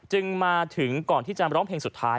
มาถึงก่อนที่จะร้องเพลงสุดท้าย